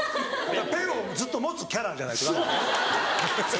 ペンをずっと持つキャラじゃないとダメですね。